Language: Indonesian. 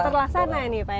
terlah sana ya pak ya